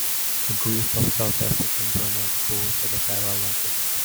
A group of South African runners pose at the Paralympics.